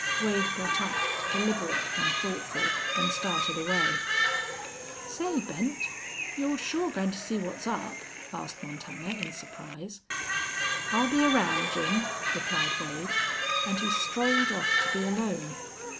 Wade got up, deliberate and thoughtful, and started away. "Say, Bent, you're shore goin' to see what's up?" asked Montana, in surprise. "I'll be around, Jim," replied Wade, and he strolled off to be alone.